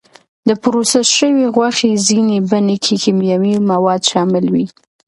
د پروسس شوې غوښې ځینې بڼې کې کیمیاوي مواد شامل وي.